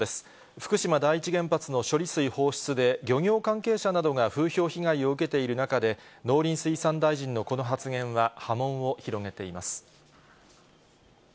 福島第一原発の処理水放出で漁業関係者などが風評被害を受けている中で、農林水産大臣のこの発言は波紋を広げています。